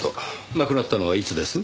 亡くなったのはいつです？